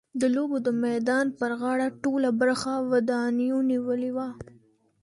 د لوبو د میدان پر غاړه ټوله برخه ودانیو نیولې وه.